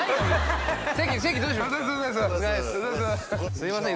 すいません